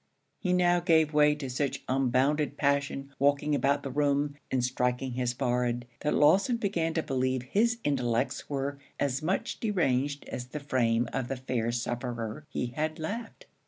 He now gave way to such unbounded passion, walking about the room, and striking his forehead, that Lawson began to believe his intellects were as much deranged as the frame of the fair sufferer he had left.